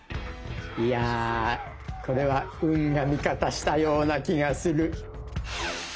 いやこれは運が味方したような気がする。